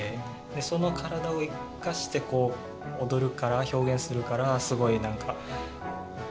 その体を生かして踊るから表現するからすごい何か何だろう？